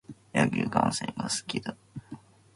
野球観戦が好きだ。